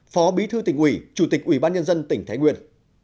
phó bí thư tỉnh ủy chủ tịch ủy ban nhân dân tỉnh thái nguyên